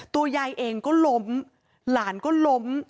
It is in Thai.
ตัวยายเองก็ล้มหลานก็ล้ม